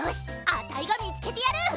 あたいがみつけてやる！